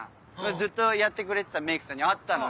ずっとやってくれてたメイクさんに会ったのよ。